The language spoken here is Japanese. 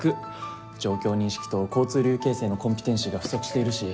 状況認識と交通流形成のコンピテンシーが不足しているし。